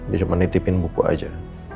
dia cuma nitipin buku aja